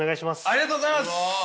ありがとうございます！